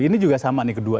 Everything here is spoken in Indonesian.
ini juga sama nih kedua